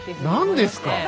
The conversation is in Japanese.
何ですか！